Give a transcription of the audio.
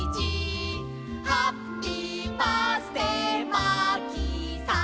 「ハッピーバースデーマーキーさん」